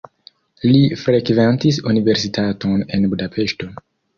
Li frekventis universitaton en Budapeŝto.